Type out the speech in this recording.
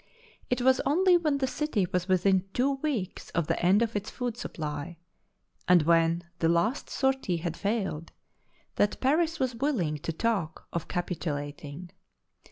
It was only when the city was within two weeks of the end of its food supply, and when the last sortie had failed, that Paris was willing to talk of capitulating.